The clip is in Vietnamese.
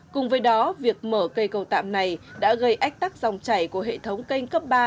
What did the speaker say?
cùng với đó việc mở cây cầu tạm này đã gây ách tắc dòng chảy của hệ thống kênh cấp ba